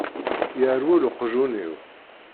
Yerwel uqjun-iw.